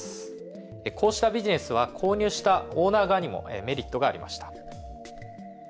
こうしたビジネスは購入したオーナー側にもメリットがありました。